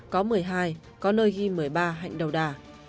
có một mươi hai có nơi ghi một mươi ba hạnh đầu đà